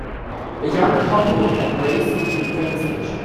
A young couple embracing in a train station.